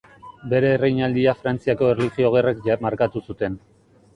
Bere erreinaldia Frantziako Erlijio Gerrek markatu zuten.